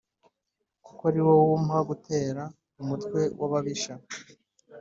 Kuko ari wowe umpa gutera umutwe w ababisha